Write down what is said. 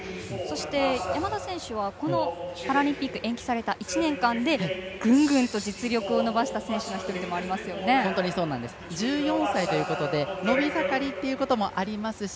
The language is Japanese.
山田選手はこのパラリンピックが延期された１年間でグングンと実力を伸ばした１４歳ということで伸び盛りということもありますし